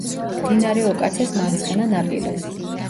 მდინარე ოკაცეს მარცხენა ნაპირას.